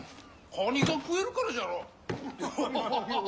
カニが食えるからじゃろう。